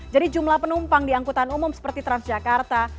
jadi jumlah penumpang di angkutan umum seperti transjakarta